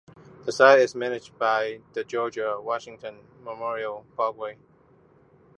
The site is managed by the George Washington Memorial Parkway.